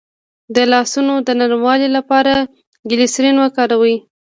د لاسونو د نرموالي لپاره ګلسرین وکاروئ